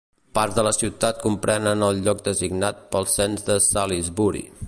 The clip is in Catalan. Parts de la ciutat comprenen el lloc designat pel cens de Salisbury.